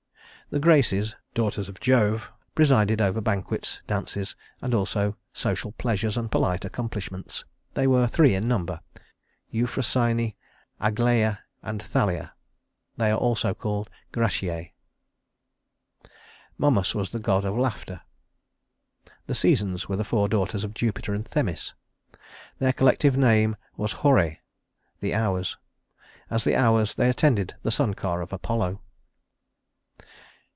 The Graces, daughters of Jove, presided over banquets, dances, and also social pleasures and polite accomplishments. They were three in number Euphrosyne, Aglaia, and Thalia. They are also called Gratiæ. Momus was the god of laughter. The Seasons were the four daughters of Jupiter and Themis. Their collective name was Horæ (the Hours). As the Hours they attended the sun car of Apollo.